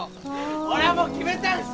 俺はもう決めたんす！